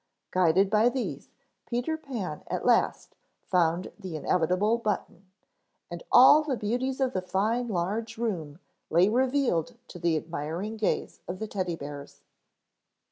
Guided by these, Peter Pan at last found the inevitable button, and all the beauties of the fine, large room lay revealed to the admiring gaze of the Teddy bears.